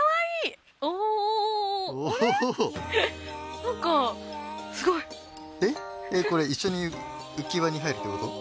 なんかすごい。えっ？これ一緒に浮輪に入るって事？